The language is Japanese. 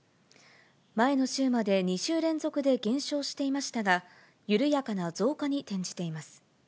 前の週まで２週連続で減少していましたが、緩やかな増加に転じています。